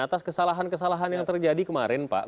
atas kesalahan kesalahan yang terjadi kemarin pak